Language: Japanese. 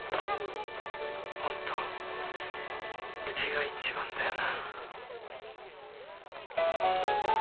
ホントうちが一番だよな。